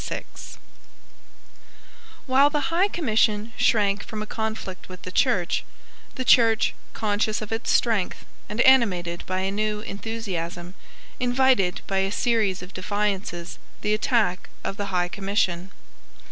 While the High Commission shrank from a conflict with the Church, the Church, conscious of its strength, and animated by a new enthusiasm, invited, by a series of defiances, the attack of the High Commission.